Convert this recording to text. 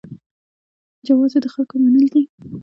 جواز یې د خلکو منل دي.